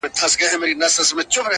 نه په خوله فریاد له سرولمبو لري!